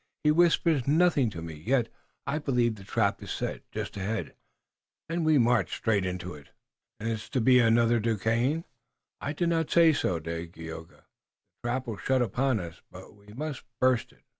He whispers nothing to me, yet I believe the trap is set, just ahead, and we march straight into it." "And it's to be another Duquesne?" "I did not say so, Dagaeoga. The trap will shut upon us, but we may burst it.